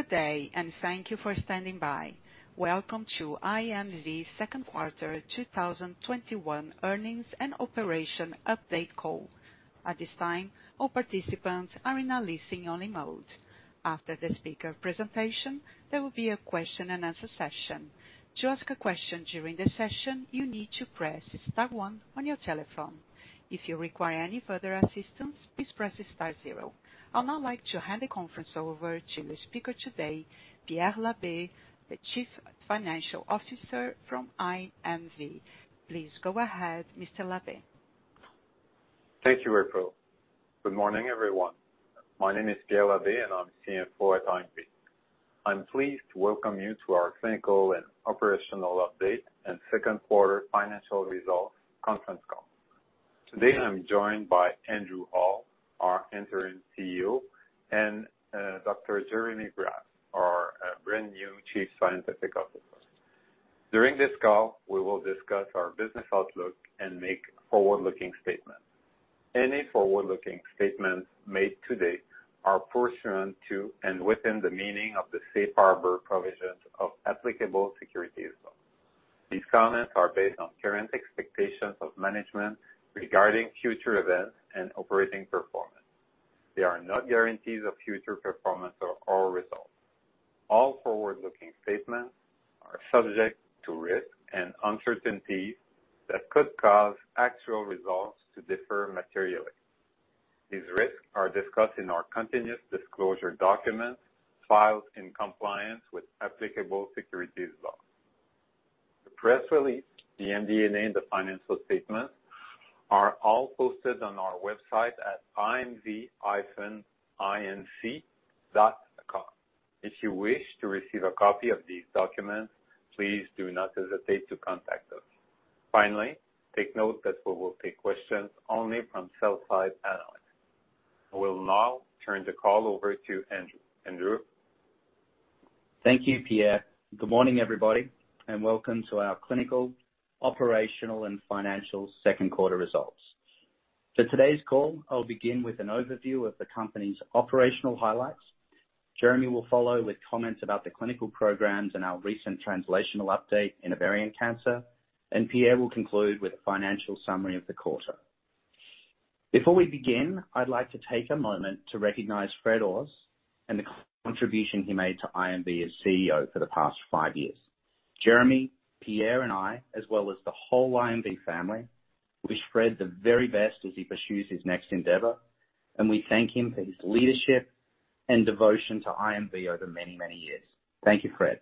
Good day, and thank you for standing by. Welcome to IMV's Second Quarter 2021 Earnings and Operation Update Call. I'll now like to hand the conference over to the speaker today, Pierre Labbé, the Chief Financial Officer from IMV. Please go ahead, Mr. Labbé. Thank you, April. Good morning, everyone. My name is Pierre Labbé, and I'm CFO at IMV. I'm pleased to welcome you to our clinical and operational update and second quarter financial results conference call. Today, I'm joined by Andrew Hall, our Interim CEO, and Dr. Jeremy Graff, our brand new Chief Scientific Officer. During this call, we will discuss our business outlook and make forward-looking statements. Any forward-looking statements made today are pursuant to and within the meaning of the safe harbor provisions of applicable securities laws. These comments are based on current expectations of management regarding future events and operating performance. They are not guarantees of future performance or results. All forward-looking statements are subject to risks and uncertainties that could cause actual results to differ materially. These risks are discussed in our continuous disclosure documents filed in compliance with applicable securities laws. The press release, the MD&A, and the financial statements are all posted on our website at imv-inc.com. If you wish to receive a copy of these documents, please do not hesitate to contact us. Finally, take note that we will take questions only from sell-side analysts. I will now turn the call over to Andrew. Andrew? Thank you, Pierre. Good morning, everybody, and welcome to our clinical, operational, and financial second-quarter results. For today's call, I'll begin with an overview of the company's operational highlights. Jeremy will follow with comments about the clinical programs and our recent translational update in ovarian cancer. Pierre will conclude with a financial summary of the quarter. Before we begin, I'd like to take a moment to recognize Fred Ors and the contribution he made to IMV as CEO for the past five years. Jeremy, Pierre, and I, as well as the whole IMV family, wish Fred the very best as he pursues his next endeavor, and we thank him for his leadership and devotion to IMV over many, many years. Thank you, Fred.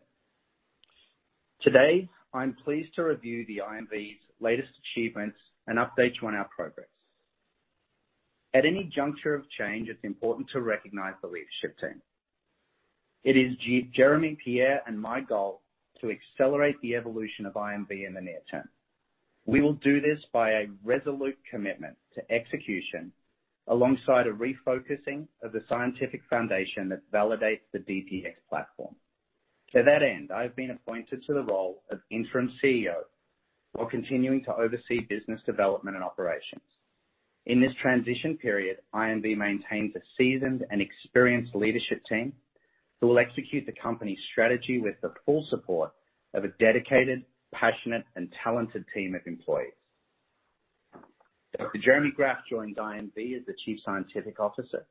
Today, I'm pleased to review the IMV's latest achievements and updates on our progress. At any juncture of change, it's important to recognize the leadership team. It is Jeremy, Pierre, and my goal to accelerate the evolution of IMV in the near term. We will do this by a resolute commitment to execution alongside a refocusing of the scientific foundation that validates the DPX platform. To that end, I have been appointed to the role of Interim CEO while continuing to oversee business development and operations. In this transition period, IMV maintains a seasoned and experienced leadership team who will execute the company's strategy with the full support of a dedicated, passionate, and talented team of employees. Dr. Jeremy Graff joins IMV as the Chief Scientific Officer.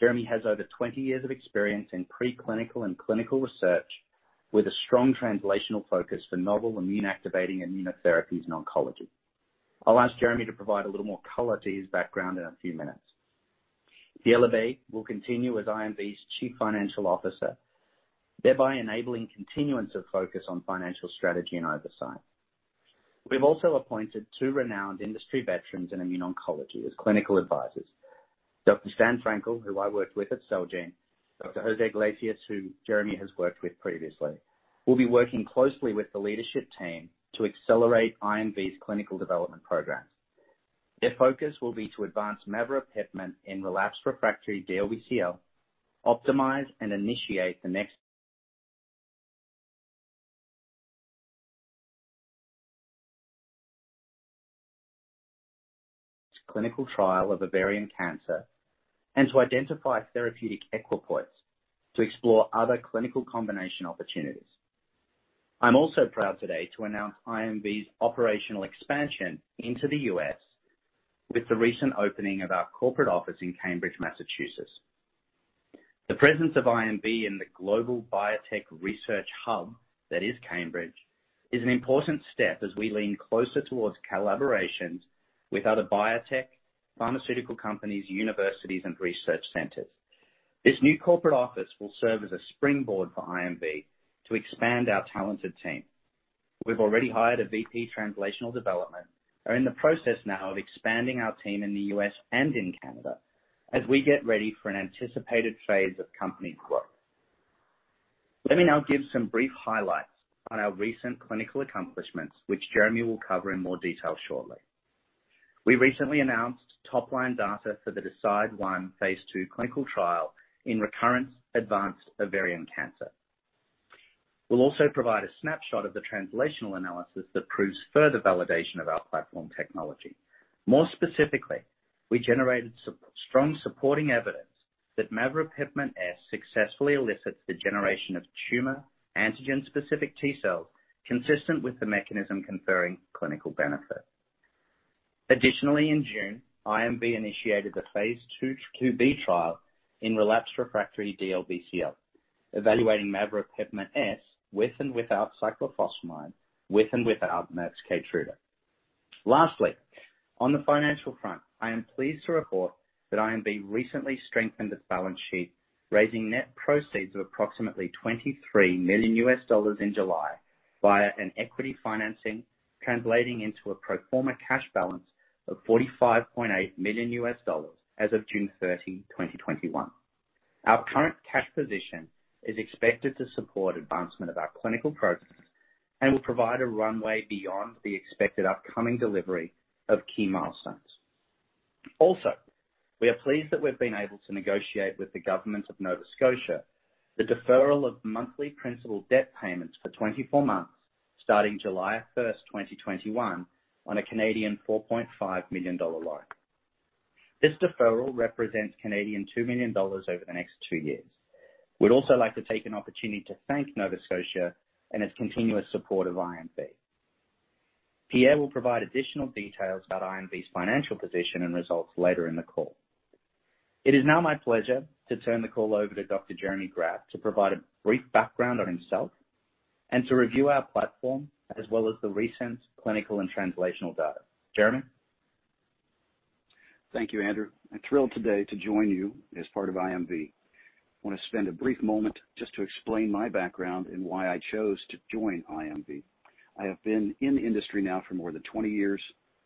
Jeremy has over 20 years of experience in preclinical and clinical research with a strong translational focus for novel immune-activating immunotherapies in oncology. I'll ask Jeremy to provide a little more color to his background in a few minutes. Pierre Labbé will continue as IMV's Chief Financial Officer, thereby enabling continuance of focus on financial strategy and oversight. We've also appointed two renowned industry veterans in immune oncology as clinical advisors. Dr. Stan Frankel, who I worked with at Celgene, Dr. Jose Iglesias, who Jeremy has worked with previously. We'll be working closely with the leadership team to accelerate IMV's clinical development programs. Their focus will be to advance maveropepimut-S in relapsed refractory DLBCL, optimize and initiate the next clinical trial of ovarian cancer, and to identify therapeutic equipoise to explore other clinical combination opportunities. I'm also proud today to announce IMV's operational expansion into the U.S. with the recent opening of our corporate office in Cambridge, Massachusetts. The presence of IMV in the global biotech research hub that is Cambridge is an important step as we lean closer towards collaborations with other biotech pharmaceutical companies, universities, and research centers. This new corporate office will serve as a springboard for IMV to expand our talented team. We've already hired a VP translational development, are in the process now of expanding our team in the U.S. and in Canada as we get ready for an anticipated phase of company growth. Let me now give some brief highlights on our recent clinical accomplishments, which Jeremy will cover in more detail shortly. We recently announced top-line data for the DeCidE1 phase II clinical trial in recurrent advanced ovarian cancer. We'll also provide a snapshot of the translational analysis that proves further validation of our platform technology. More specifically, we generated strong supporting evidence that maveropepimut-S successfully elicits the generation of tumor antigen-specific T-cells consistent with the mechanism conferring clinical benefit. Additionally, in June, IMV initiated the phase II-B trial in relapsed refractory DLBCL, evaluating maveropepimut-S with and without cyclophosphamide, with and without Merck's KEYTRUDA. Lastly, on the financial front, I am pleased to report that IMV recently strengthened its balance sheet, raising net proceeds of approximately $23 million in July via an equity financing, translating into a pro forma cash balance of $45.8 million as of June 30, 2021. Our current cash position is expected to support advancement of our clinical programs and will provide a runway beyond the expected upcoming delivery of key milestones. We are pleased that we've been able to negotiate with the government of Nova Scotia the deferral of monthly principal debt payments for 24 months, starting July 1st, 2021, on a 4.5 million Canadian dollars loan. This deferral represents 2 million Canadian dollars over the next two years. We'd also like to take an opportunity to thank Nova Scotia and its continuous support of IMV. Pierre will provide additional details about IMV's financial position and results later in the call. It is now my pleasure to turn the call over to Dr. Jeremy Graff to provide a brief background on himself and to review our platform, as well as the recent clinical and translational data. Jeremy? Thank you, Andrew. I'm thrilled today to join you as part of IMV. I want to spend a brief moment just to explain my background and why I chose to join IMV. I have been in the industry now for more than 20 years.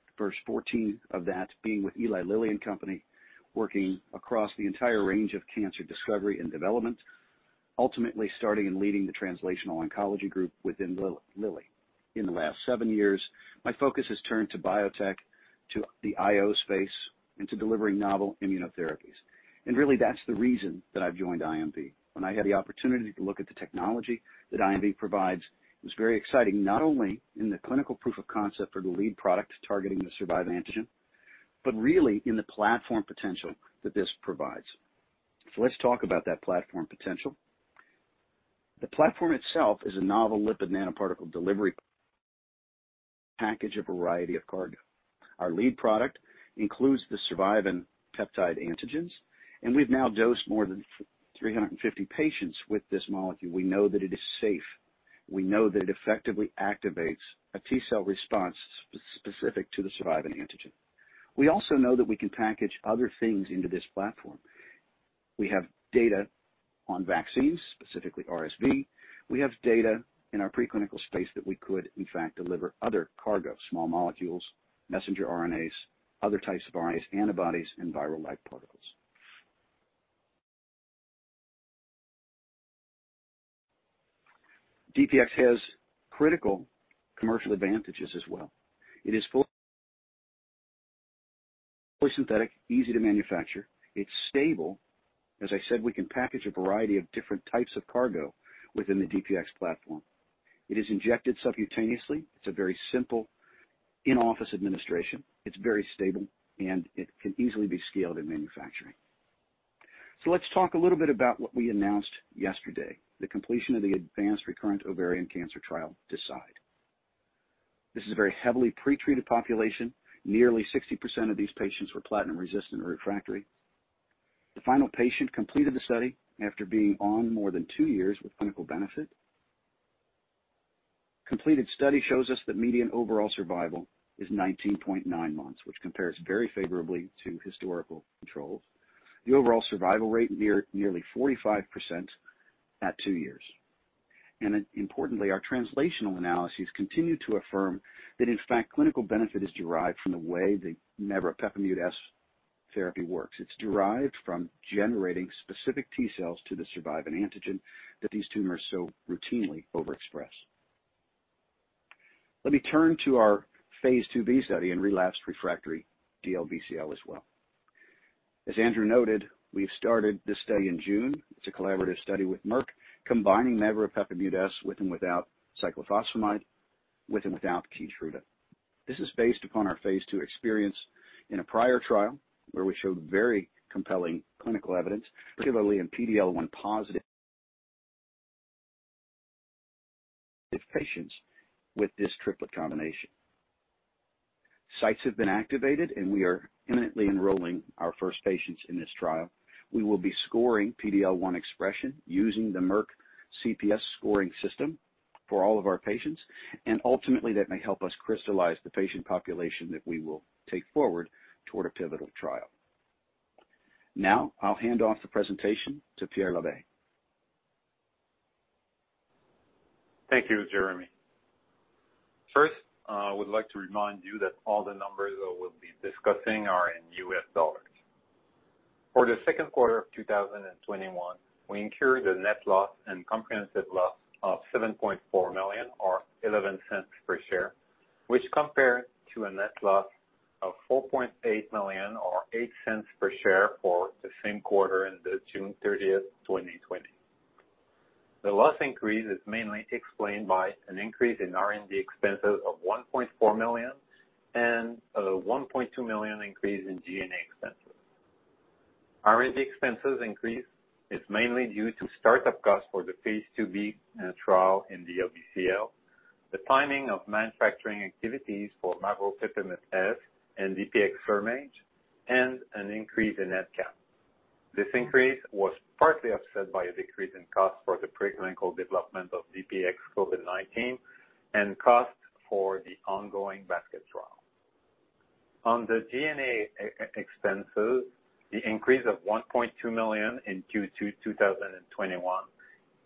The first 14 of that being with Eli Lilly and Company, working across the entire range of cancer discovery and development, ultimately starting and leading the translational oncology group within Lilly. In the last seven years, my focus has turned to biotech, to the IO space, and to delivering novel immunotherapies. Really, that's the reason that I've joined IMV. When I had the opportunity to look at the technology that IMV provides, it was very exciting, not only in the clinical proof of concept for the lead product targeting the survivin antigen, but really in the platform potential that this provides. Let's talk about that platform potential. The platform itself is a novel lipid nanoparticle delivery package, a variety of cargo. Our lead product includes the survivin peptide antigens, and we've now dosed more than 350 patients with this molecule. We know that it is safe. We know that it effectively activates a T-cell response specific to the survivin antigen. We also know that we can package other things into this platform. We have data on vaccines, specifically RSV. We have data in our preclinical space that we could, in fact, deliver other cargo, small molecules, messenger RNAs, other types of RNAs, antibodies, and viral-like particles. DPX has critical commercial advantages as well. It is fully synthetic, easy to manufacture. It's stable. As I said, we can package a variety of different types of cargo within the DPX platform. It is injected subcutaneously. It's a very simple in-office administration. It's very stable, and it can easily be scaled in manufacturing. Let's talk a little bit about what we announced yesterday, the completion of the advanced recurrent ovarian cancer trial, DeCidE1. This is a very heavily pretreated population. Nearly 60% of these patients were platinum resistant or refractory. The final patient completed the study after being on more than two years with clinical benefit. Completed study shows us that median overall survival is 19.9 months, which compares very favorably to historical controls. The overall survival rate, nearly 45% at two years. Importantly, our translational analyses continue to affirm that, in fact, clinical benefit is derived from the way the maveropepimut-S therapy works. It's derived from generating specific T-cells to the survivin antigen that these tumors so routinely overexpress. Let me turn to our phase II-B study in relapsed refractory DLBCL as well. As Andrew noted, we've started this study in June. It's a collaborative study with Merck, combining maveropepimut-S with and without cyclophosphamide, with and without KEYTRUDA. This is based upon our phase II experience in a prior trial where we showed very compelling clinical evidence, particularly in PD-L1 positive patients with this triplet combination. Sites have been activated, and we are imminently enrolling our first patients in this trial. We will be scoring PD-L1 expression using the Merck CPS scoring system for all of our patients, and ultimately, that may help us crystallize the patient population that we will take forward toward a pivotal trial. Now, I'll hand off the presentation to Pierre Labbé. Thank you, Jeremy. I would like to remind you that all the numbers I will be discussing are in U.S. dollars. For the second quarter of 2021, we incurred a net loss and comprehensive loss of $7.4 million or $0.11 per share. Which compare to a net loss of $4.8 million or $0.08 per share for the same quarter in the June 30th, 2020. The loss increase is mainly explained by an increase in R&D expenses of $1.4 million and a $1.2 million increase in G&A expenses. R&D expenses increase is mainly due to start-up costs for the phase II-B trial in DLBCL, the timing of manufacturing activities for maveropepimut-S and DPX-SurMAGE, and an increase in head count. This increase was partly offset by a decrease in cost for the preclinical development of DPX-COVID-19 and costs for the ongoing basket trial. On the G&A expenses, the increase of $1.2 million in Q2 2021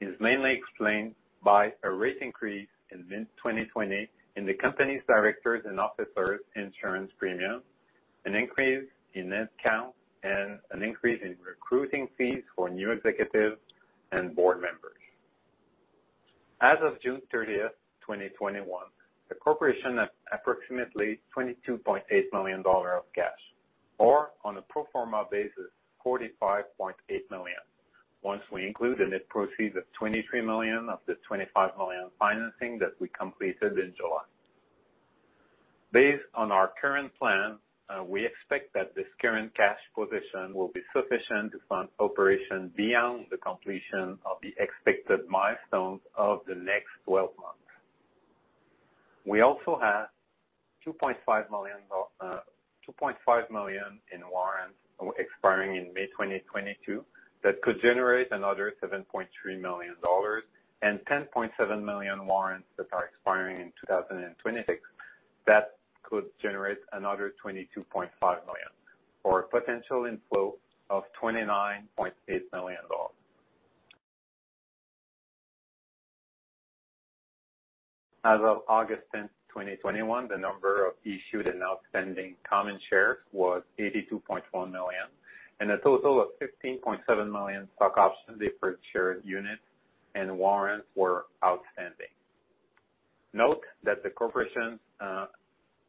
is mainly explained by a rate increase in mid-2020 in the company's directors' and officers' insurance premium, an increase in head count, and an increase in recruiting fees for new executives and board members. As of June 30th, 2021, the corporation had approximately $22.8 million of cash, or on a pro forma basis, $45.8 million once we include the net proceeds of $23 million of the $25 million financing that we completed in July. Based on our current plan, we expect that this current cash position will be sufficient to fund operation beyond the completion of the expected milestones of the next 12 months. We also have $2.5 million in warrants expiring in May 2022 that could generate another $7.3 million and $10.7 million warrants that are expiring in 2026 that could generate another $22.5 million, or a potential inflow of $29.8 million. As of August 10th, 2021, the number of issued and outstanding common shares was 82.1 million, and a total of 15.7 million stock option deferred share units and warrants were outstanding. Note that the corporation's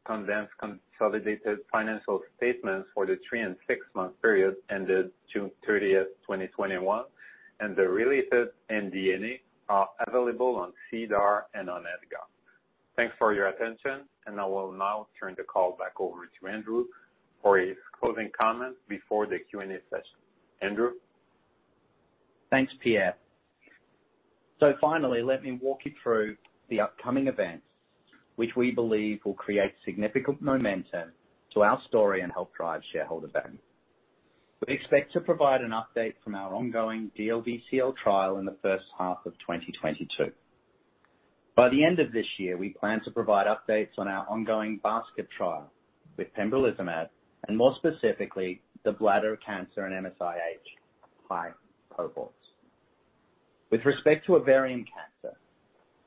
condensed consolidated financial statements for the three and six-month period ended June 30th, 2021, and the releases and MD&A are available on SEDAR and on EDGAR. Thanks for your attention, and I will now turn the call back over to Andrew for his closing comments before the Q&A session. Andrew? Thanks, Pierre. Finally, let me walk you through the upcoming events, which we believe will create significant momentum to our story and help drive shareholder value. We expect to provide an update from our ongoing DLBCL trial in the first half of 2022. By the end of this year, we plan to provide updates on our ongoing basket trial with pembrolizumab, and more specifically, the bladder cancer and MSI-H cohorts. With respect to ovarian cancer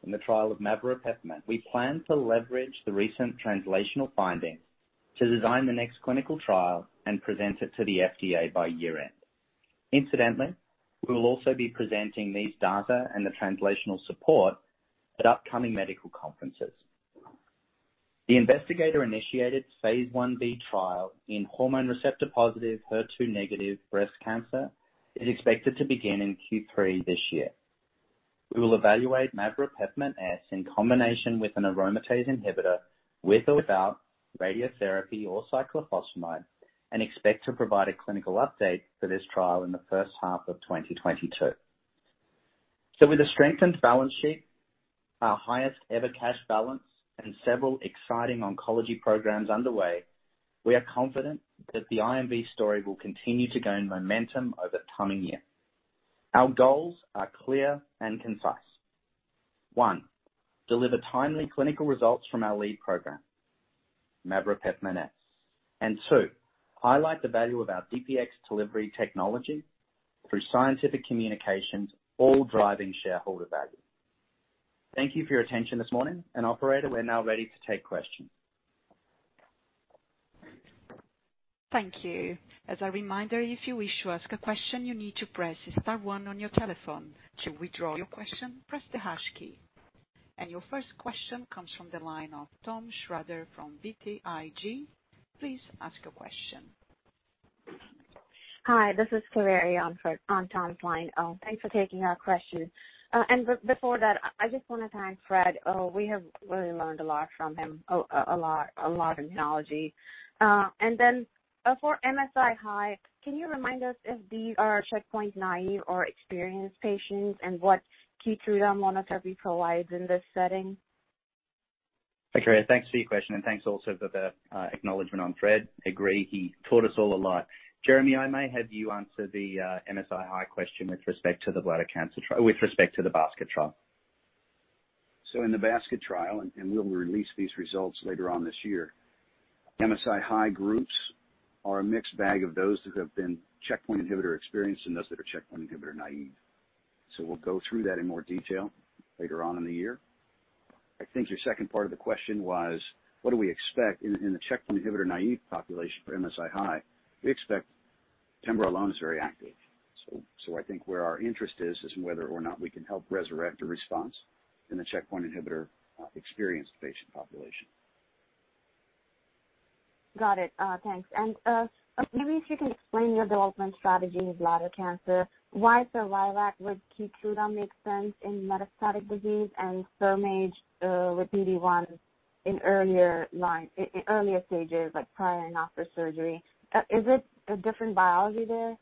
in the trial of maveropepimut-S, we plan to leverage the recent translational findings to design the next clinical trial and present it to the FDA by year-end. Incidentally, we will also be presenting these data and the translational support at upcoming medical conferences. The investigator-initiated phase I-B trial in hormone receptor-positive, HER2-negative breast cancer is expected to begin in Q3 this year. We will evaluate maveropepimut-S in combination with an aromatase inhibitor, with or without radiotherapy or cyclophosphamide, and expect to provide a clinical update for this trial in the first half of 2022. With a strengthened balance sheet, our highest-ever cash balance, and several exciting oncology programs underway, we are confident that the IMV story will continue to gain momentum over the coming year. Our goals are clear and concise. One, deliver timely clinical results from our lead program, maveropepimut-S. Two, highlight the value of our DPX delivery technology through scientific communications, all driving shareholder value. Thank you for your attention this morning, and operator, we're now ready to take questions. Thank you. As a reminder, if you wish to ask a question, you need to press star one on your telephone. To withdraw your question, press the hash key. Your first question comes from the line of Tom Shrader from BTIG. Please ask your question. Hi, this is Kaveri on Tom's line. Thanks for taking our question. Before that, I just want to thank Fred. We have really learned a lot from him, a lot of immunology. For MSI-H, can you remind us if these are checkpoint-naïve or experienced patients, and what KEYTRUDA monotherapy provides in this setting? Hi, Kaveri. Thanks for your question, and thanks also for the acknowledgement on Fred. Agree, he taught us all a lot. Jeremy, I may have you answer the MSI-H question with respect to the bladder cancer trial-- with respect to the basket trial. In the basket trial, and we'll release these results later on this year, MSI-H groups are a mixed bag of those that have been checkpoint inhibitor experienced and those that are checkpoint inhibitor naïve. We'll go through that in more detail later on in the year. I think your second part of the question was, what do we expect in the checkpoint inhibitor-naïve population for MSI-H? We expect pembro alone is very active. I think where our interest is in whether or not we can help resurrect a response in the checkpoint inhibitor experienced patient population. Got it. Thanks. Maybe if you can explain your development strategy with bladder cancer, why DPX-Survivac with KEYTRUDA makes sense in metastatic disease and DPX-SurMAGE with PD-1 in earlier stages, like prior and after surgery. Is it a different biology there?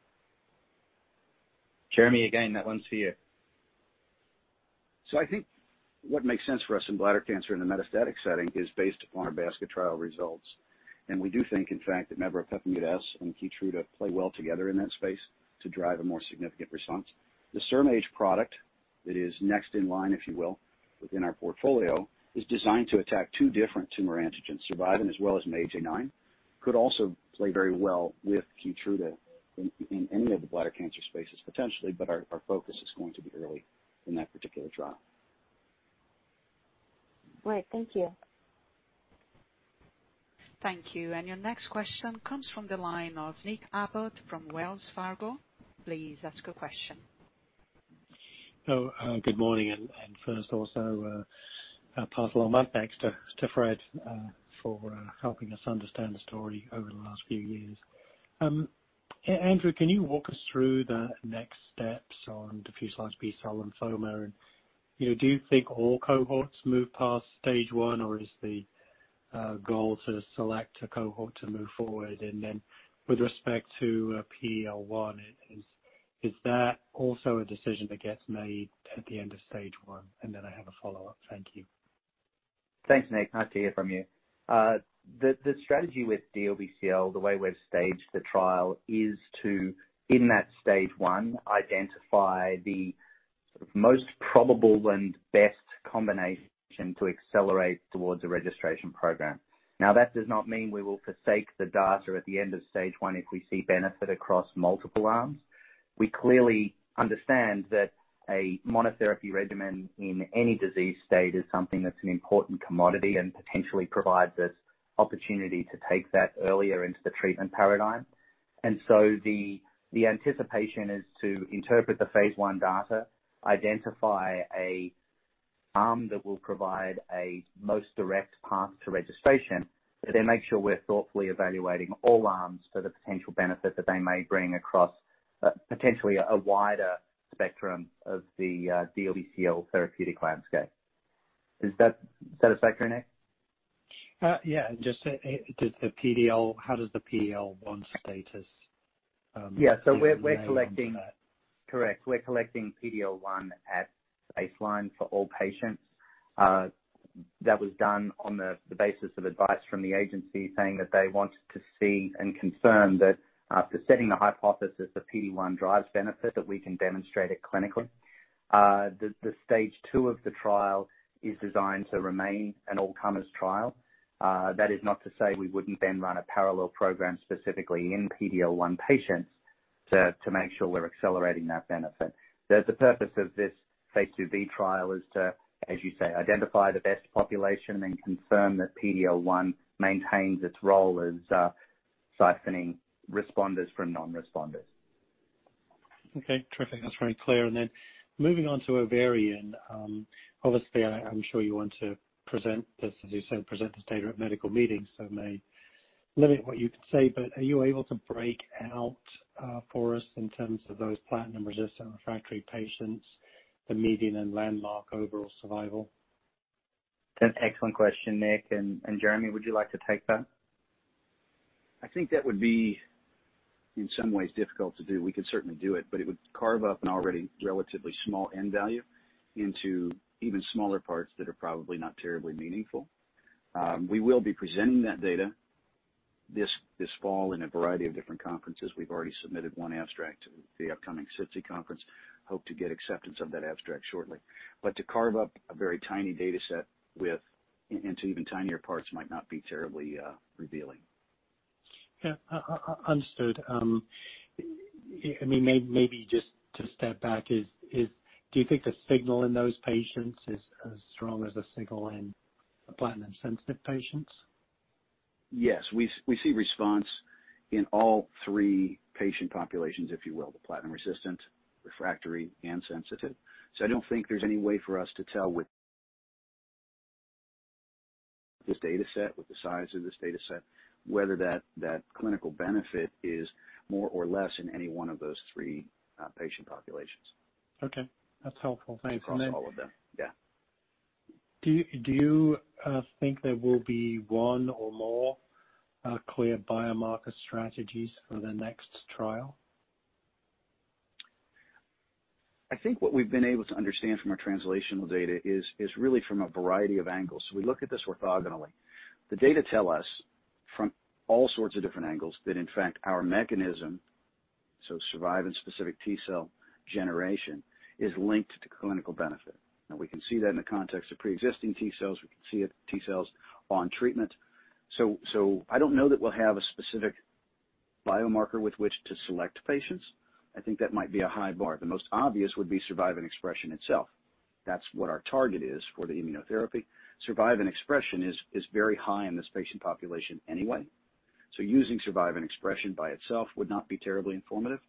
Jeremy, again, that one's for you. I think what makes sense for us in bladder cancer in the metastatic setting is based upon our basket trial results. We do think, in fact, that maveropepimut-S and KEYTRUDA play well together in that space to drive a more significant response. The DPX-SurMAGE product that is next in line, if you will, within our portfolio, is designed to attack two different tumor antigens, survivin as well as MAGE-A9, could also play very well with KEYTRUDA in any of the bladder cancer spaces, potentially, but our focus is going to be early in that particular trial. Right. Thank you. Thank you. Your next question comes from the line of Nick Abbott from Wells Fargo. Please ask a question. Hello. Good morning, and first also, a personal thank thanks to Fred for helping us understand the story over the last few years. Andrew, can you walk us through the next steps on diffuse large B-cell lymphoma? Do you think all cohorts move past stage one, or is the goal to select a cohort to move forward? With respect to PD-L1, is that also a decision that gets made at the end of stage one? I have a follow-up. Thank you. Thanks, Nick. Nice to hear from you. The strategy with DLBCL, the way we've staged the trial is to, in that stage one, identify the most probable and best combination to accelerate towards a registration program. That does not mean we will forsake the data at the end of stage one if we see benefit across multiple arms. We clearly understand that a monotherapy regimen in any disease state is something that's an important commodity and potentially provides us opportunity to take that earlier into the treatment paradigm. The anticipation is to interpret the phase I data, identify an arm that will provide a most direct path to registration, but then make sure we're thoughtfully evaluating all arms for the potential benefit that they may bring across potentially a wider spectrum of the DLBCL therapeutic landscape. Does that satisfy, Nick? Yeah. Just the PDL, how does the PD-L1 status- Yeah. -be arrayed onto that? Correct. We're collecting PD-L1 at baseline for all patients. That was done on the basis of advice from the agency saying that they wanted to see and confirm that after setting the hypothesis that PD-1 drives benefit, that we can demonstrate it clinically. The phase II of the trial is designed to remain an all-comers trial. That is not to say we wouldn't then run a parallel program specifically in PD-L1 patients to make sure we're accelerating that benefit. The purpose of this phase II-B trial is to, as you say, identify the best population and then confirm that PD-L1 maintains its role as siphoning responders from non-responders. Okay. Terrific. That's very clear. Moving on to ovarian, obviously, I'm sure you want to present this, as you said, present this data at medical meetings, so it may limit what you can say. Are you able to break out for us in terms of those platinum resistant refractory patients, the median and landmark overall survival? That's an excellent question, Nick. Jeremy, would you like to take that? I think that would be, in some ways, difficult to do. We could certainly do it would carve up an already relatively small end value into even smaller parts that are probably not terribly meaningful. We will be presenting that data this fall in a variety of different conferences. We've already submitted one abstract to the upcoming SITC conference, hope to get acceptance of that abstract shortly. To carve up a very tiny data set into even tinier parts might not be terribly revealing. Yeah. Understood. Maybe just to step back, do you think the signal in those patients is as strong as the signal in the platinum-sensitive patients? Yes. We see response in all three patient populations, if you will, the platinum resistant, refractory, and sensitive. I don't think there's any way for us to tell with this data set, with the size of this data set, whether that clinical benefit is more or less in any one of those three patient populations. Okay. That's helpful. Thank you. Across all of them. Yeah. Do you think there will be one or more clear biomarker strategies for the next trial? I think what we've been able to understand from our translational data is really from a variety of angles. We look at this orthogonally. The data tell us from all sorts of different angles that in fact, our mechanism, so survivin specific T-cell generation, is linked to clinical benefit. Now, we can see that in the context of preexisting T-cells, we can see it T-cells on treatment. I don't know that we'll have a specific biomarker with which to select patients. I think that might be a high bar. The most obvious would be survivin expression itself. That's what our target is for the immunotherapy. Survivin expression is very high in this patient population anyway. Using survivin expression by itself would not be terribly informative.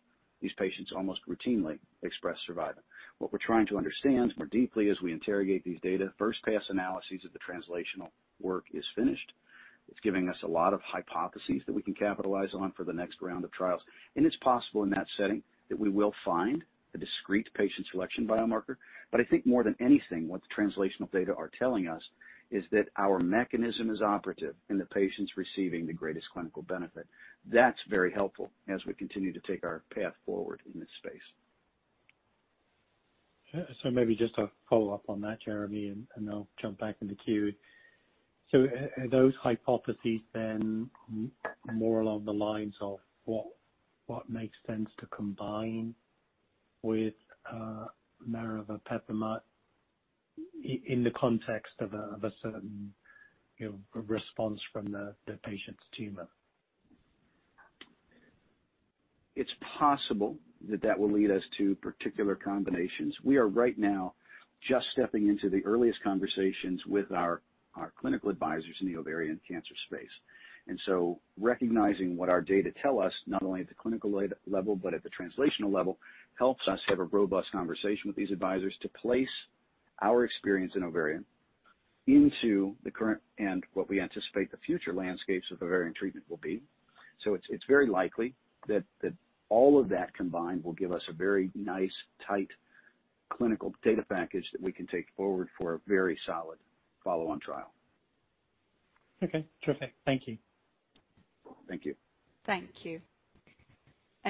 These patients almost routinely express survivin. What we're trying to understand more deeply as we interrogate these data, first pass analysis of the translational work is finished. It's giving us a lot of hypotheses that we can capitalize on for the next round of trials, and it's possible in that setting that we will find a discrete patient selection biomarker. I think more than anything, what the translational data are telling us is that our mechanism is operative in the patients receiving the greatest clinical benefit. That's very helpful as we continue to take our path forward in this space. Maybe just a follow-up on that, Jeremy, and I'll jump back in the queue. Are those hypotheses then more along the lines of what makes sense to combine with maveropepimut-S in the context of a certain response from the patient's tumor? It's possible that that will lead us to particular combinations. We are right now just stepping into the earliest conversations with our clinical advisors in the ovarian cancer space. Recognizing what our data tell us, not only at the clinical level but at the translational level, helps us have a robust conversation with these advisors to place our experience in ovarian into the current and what we anticipate the future landscapes of ovarian treatment will be. It's very likely that all of that combined will give us a very nice, tight clinical data package that we can take forward for a very solid follow-on trial. Okay, terrific. Thank you. Thank you. Thank you.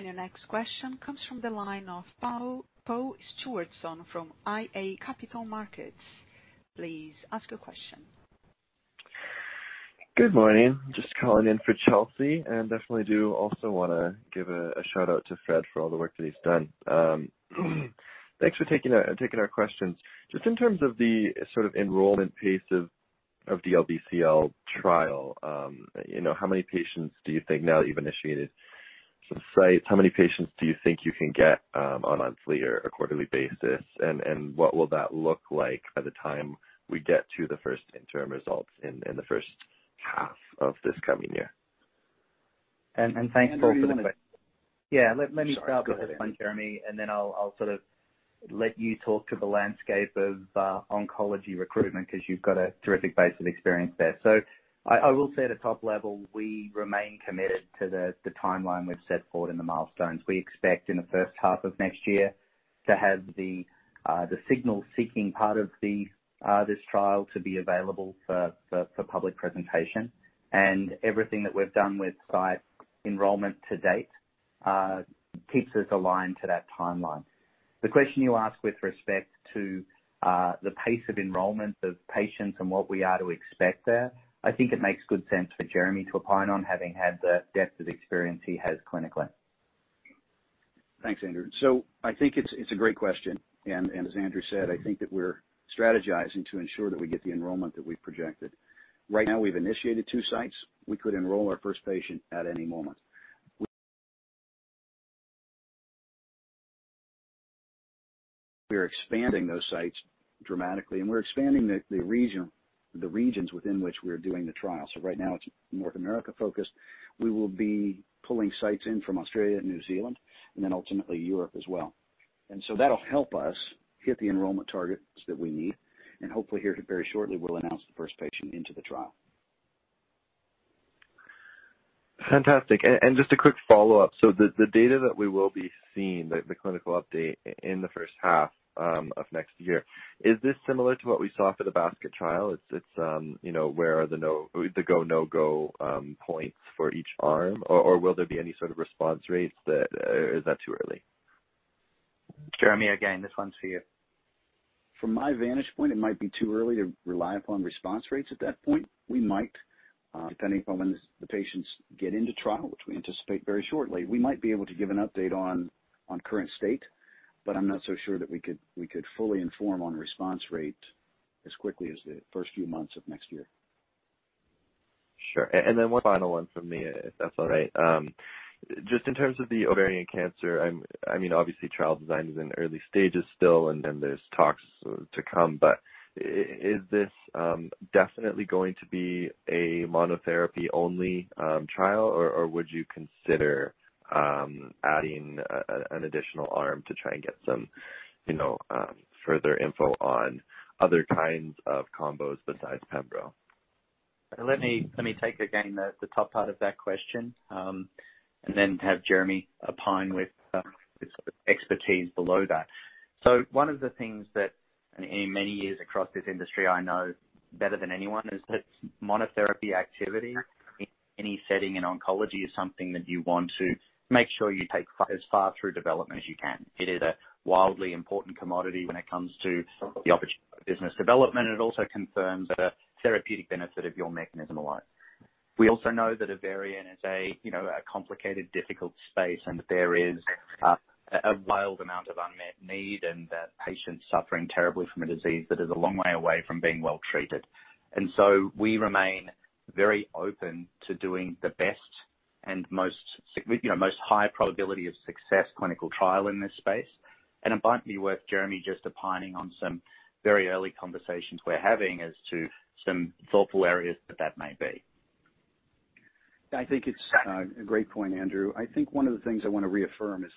Your next question comes from the line of Paul Stewardson from iA Capital Markets. Please ask your question. Good morning. Just calling in for Chelsea, and definitely do also want to give a shout-out to Fred for all the work that he's done. Thanks for taking our questions. Just in terms of the sort of enrollment pace of the DLBCL trial, how many patients do you think now that you've initiated some sites, how many patients do you think you can get on a monthly or a quarterly basis? What will that look like by the time we get to the first interim results in the first half of this coming year? Thanks, Paul, for the question. Andrew. Yeah, let me start with this one, Jeremy, and then I'll sort of let you talk to the landscape of oncology recruitment because you've got a terrific base of experience there. I will say at a top level, we remain committed to the timeline we've set forward and the milestones. We expect in the first half of next year to have the signal-seeking part of this trial to be available for public presentation. Everything that we've done with site enrollment to date keeps us aligned to that timeline. The question you ask with respect to the pace of enrollment of patients and what we are to expect there, I think it makes good sense for Jeremy to opine on, having had the depth of experience he has clinically. Thanks, Andrew. I think it's a great question, and as Andrew said, I think that we're strategizing to ensure that we get the enrollment that we've projected. Right now, we've initiated two sites. We could enroll our first patient at any moment. We're expanding those sites dramatically, and we're expanding the regions within which we're doing the trial. Right now it's North America focused. We will be pulling sites in from Australia, New Zealand, and then ultimately Europe as well. That'll help us hit the enrollment targets that we need. Hopefully here very shortly, we'll announce the first patient into the trial. Fantastic. Just a quick follow-up. The data that we will be seeing, the clinical update in the first half of next year, is this similar to what we saw for the basket trial? It's where are the go, no-go points for each arm, or will there be any sort of response rates, or is that too early? Jeremy, again, this one's for you. From my vantage point, it might be too early to rely upon response rates at that point. We might, depending upon when the patients get into trial, which we anticipate very shortly, we might be able to give an update on current state. I'm not so sure that we could fully inform on response rate as quickly as the first few months of next year. Sure. One final one from me, if that's all right. In terms of the ovarian cancer, obviously trial design is in early stages still and there's talks to come, but is this definitely going to be a monotherapy only trial, or would you consider adding an additional arm to try and get some further info on other kinds of combos besides pembro? Let me take again the top part of that question, and then have Jeremy opine with his expertise below that. One of the things that in many years across this industry I know better than anyone is that monotherapy activity in any setting in oncology is something that you want to make sure you take as far through development as you can. It is a wildly important commodity when it comes to the opportunity for business development. It also confirms a therapeutic benefit of your mechanism of action. We also know that ovarian is a complicated, difficult space, and there is a wild amount of unmet need and that patients suffering terribly from a disease that is a long way away from being well treated. We remain very open to doing the best and most high probability of success clinical trial in this space. It might be worth Jeremy just opining on some very early conversations we're having as to some thoughtful areas that that may be. I think it's a great point, Andrew. I think one of the things I want to reaffirm is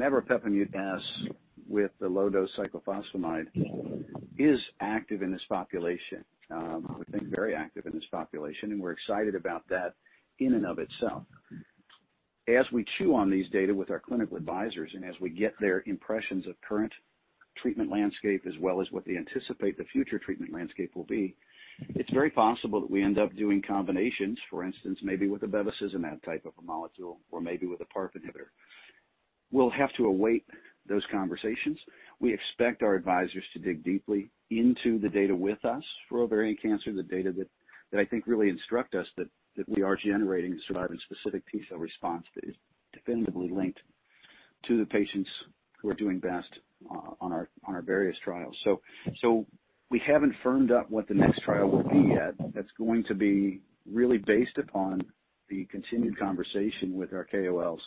maveropepimut-S as with the low dose cyclophosphamide is active in this population. We think very active in this population, and we're excited about that in and of itself. As we chew on these data with our clinical advisors and as we get their impressions of current treatment landscape as well as what they anticipate the future treatment landscape will be, it's very possible that we end up doing combinations. For instance, maybe with a bevacizumab type of a molecule or maybe with a PARP inhibitor. We'll have to await those conversations. We expect our advisors to dig deeply into the data with us for ovarian cancer, the data that I think really instruct us that we are generating a survivin specific T-cell response that is dependably linked to the patients who are doing best on our various trials. We haven't firmed up what the next trial will be yet. That's going to be really based upon the continued conversation with our KOLs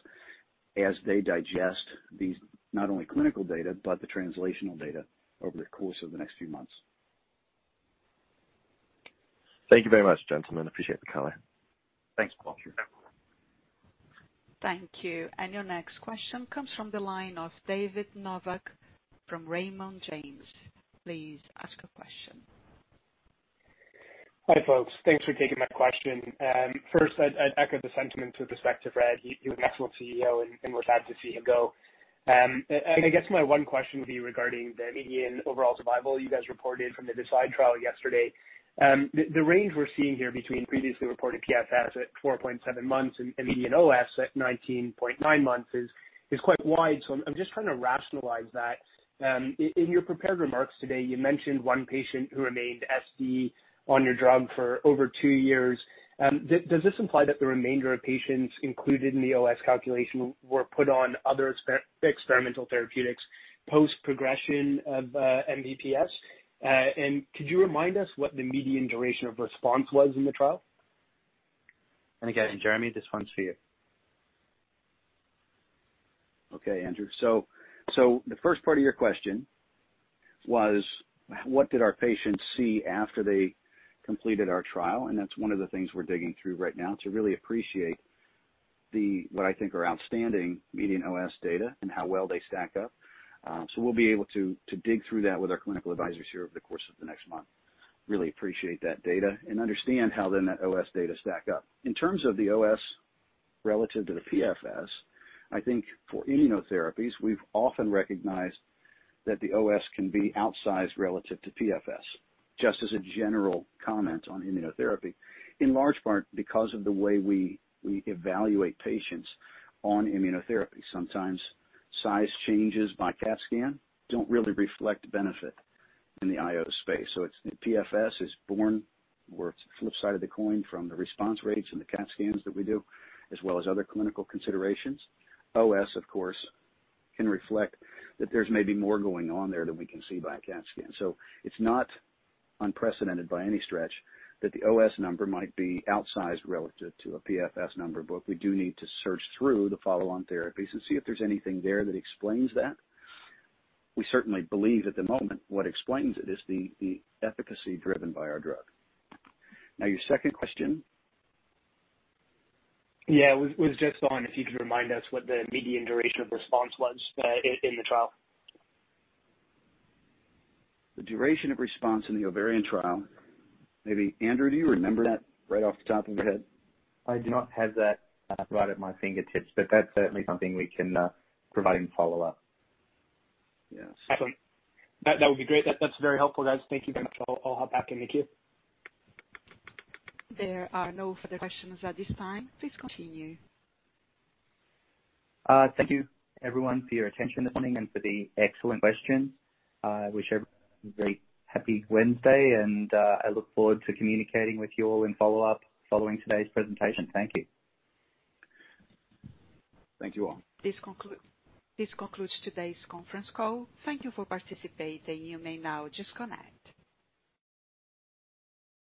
as they digest these, not only clinical data, but the translational data over the course of the next few months. Thank you very much, gentlemen. Appreciate the color. Thanks. Thank you. Your next question comes from the line of David Novak from Raymond James. Please ask a question. Hi, folks. Thanks for taking my question. I'd echo the sentiments with respect to Fred. He was an excellent CEO, we're sad to see him go. I guess my one question would be regarding the median overall survival you guys reported from the DeCidE1 trial yesterday. The range we're seeing here between previously reported PFS at 4.7 months and median OS at 19.9 months is quite wide. I'm just trying to rationalize that. In your prepared remarks today, you mentioned one patient who remained SD on your drug for over two years. Does this imply that the remainder of patients included in the OS calculation were put on other experimental therapeutics post progression of MVP-S? Could you remind us what the median duration of response was in the trial? Again, Jeremy, this one's for you. Okay, Andrew. The first part of your question was what did our patients see after they completed our trial? That's one of the things we're digging through right now to really appreciate what I think are outstanding median OS data and how well they stack up. We'll be able to dig through that with our clinical advisors here over the course of the next month. Really appreciate that data and understand how that OS data stack up. In terms of the OS relative to the PFS, I think for immunotherapies, we've often recognized that the OS can be outsized relative to PFS, just as a general comment on immunotherapy, in large part because of the way we evaluate patients on immunotherapy. Sometimes size changes by CAT scan don't really reflect benefit in the IO space. PFS is born where it's flip side of the coin from the response rates and the CAT scans that we do, as well as other clinical considerations. OS, of course, can reflect that there's maybe more going on there than we can see by CAT scan. It's not unprecedented by any stretch that the OS number might be outsized relative to a PFS number, but we do need to search through the follow-on therapies and see if there's anything there that explains that. We certainly believe at the moment what explains it is the efficacy driven by our drug. Your second question. Yeah, was just on if you could remind us what the median duration of response was in the trial? The duration of response in the ovarian trial. Maybe Andrew, do you remember that right off the top of your head? I do not have that right at my fingertips, but that's certainly something we can provide in follow-up. Yes. Excellent. That would be great. That's very helpful, guys. Thank you very much. I'll hop back in the queue. There are no further questions at this time. Please continue. Thank you everyone for your attention this morning and for the excellent questions. I wish everyone a very happy Wednesday and I look forward to communicating with you all in follow-up following today's presentation. Thank you. Thank you all. This concludes today's conference call. Thank you for participating. You may now disconnect.